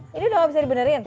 ini udah gak bisa dibenerin